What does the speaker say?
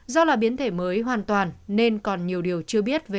do là biến thể mới hoàn toàn nên còn nhiều điều chưa biết về omicron